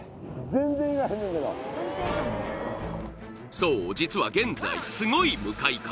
そう実は現在すごい向かい風